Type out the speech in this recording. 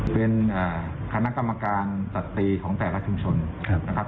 เป็นคณะกรรมการสตรีของแต่ละชุมชนนะครับ